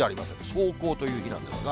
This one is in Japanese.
霜降という日なんですが。